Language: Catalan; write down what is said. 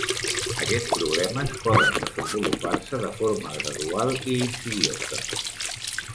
Aquests problemes poden desenvolupar-se de forma gradual i insidiosa.